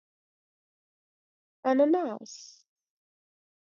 🍍 انناس